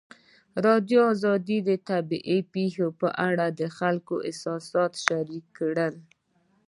ازادي راډیو د طبیعي پېښې په اړه د خلکو احساسات شریک کړي.